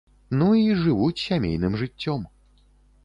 Ну і жывуць сямейным жыццём.